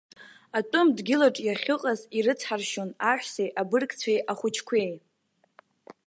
Атәым дгьылаҿ иахьыҟаз ирыцҳаршьон аҳәсеи, абыргцәеи, ахәыҷқәеи.